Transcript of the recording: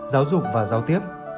giáo dục và giao tiếp